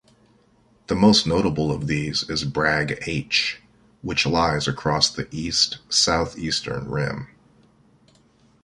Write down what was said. The most notable of these is Bragg H, which lies across the east-southeastern rim.